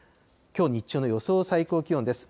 きょう日中の予想最高気温です。